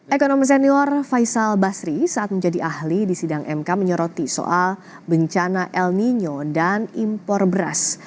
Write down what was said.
ekonomi senior faisal basri saat menjadi ahli di sidang mk menyoroti soal bencana el nino dan impor beras